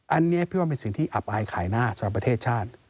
อันนี้พี่ว่าเป็นสิ่งที่อับอายขายหน้าสำหรับประเทศชาติ